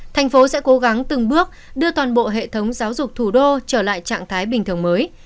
thành phố sẽ cố gắng từng bước đưa toàn bộ hệ thống giáo dục thủ đô trở lại trạng thái bình thường mới